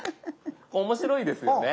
面白いですよね。